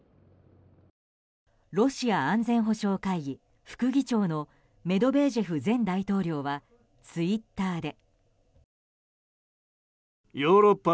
ロシア安全保障会議副議長のメドベージェフ前大統領はツイッターで。